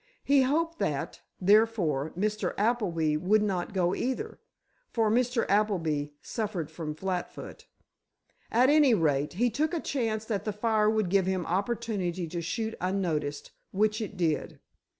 He hoped that, therefore, Mr. Appleby would not go either—for Mr. Appleby suffered from flatfoot—at any rate, he took a chance that the fire would give him opportunity to shoot unnoticed. Which it did."